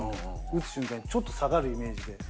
打つ瞬間にちょっと下がるイメージで。